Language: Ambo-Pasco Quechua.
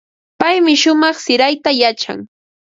Paymi shumaq sirayta yachan.